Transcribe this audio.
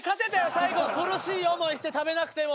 最後苦しい思いして食べなくても。